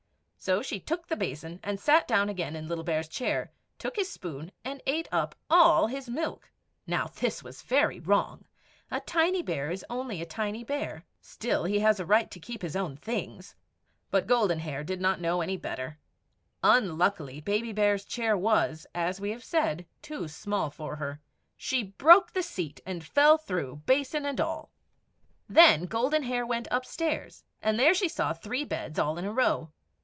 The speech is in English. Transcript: So she took the basin and sat down again in Little Bear's chair, took his spoon, and ate up all his milk. Now this was very wrong. A tiny bear is only a tiny bear; still, he has a right to keep his own things. But Golden Hair did not know any better. Unluckily, Baby Bear's chair was, as we have said, too small for her; she broke the seat and fell through, basin and all. [Illustration: GOLDEN HAIR EATS THE LITTLE BEAR'S BREAKFAST.] Then Golden Hair went upstairs, and there she saw three beds all in a row.